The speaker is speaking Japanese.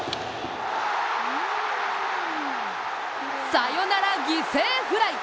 サヨナラ犠牲フライ！